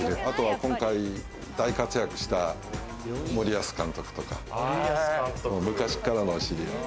今回大活躍した森保監督とか、昔からの知り合い。